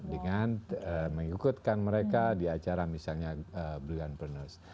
dengan mengikutkan mereka di acara misalnya brilliantpreneurs